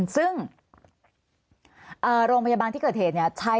ซึ่งโรงพยาบาลที่เกิดเหตุใช้